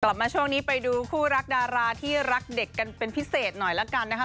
กลับมาช่วงนี้ไปดูคู่รักดาราที่รักเด็กกันเป็นพิเศษหน่อยละกันนะคะ